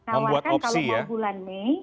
tawarkan kalau mau bulan mei